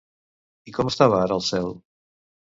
I com estava ara el cel?